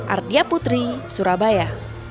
ardia putri surabaya